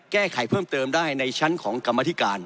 แก้ไขเพิ่มเติมได้ในชั้นของกรรมธิการ